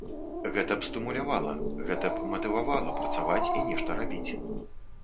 Гэта б стымулявала, гэта б матывавала працаваць і нешта рабіць.